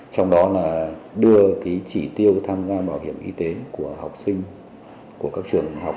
trong đó là đưa chỉ tiêu tham gia bảo hiểm y tế của học sinh của các trường học